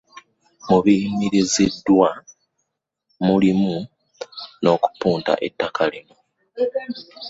Mu biyimiriziddwa mulimu n'okupunta ettaka lino.